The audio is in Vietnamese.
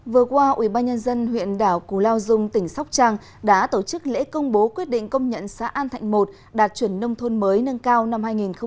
vừa qua ubnd huyện đảo cù lao dung tỉnh sóc trăng đã tổ chức lễ công bố quyết định công nhận xã an thạnh i đạt chuẩn nông thôn mới nâng cao năm hai nghìn một mươi tám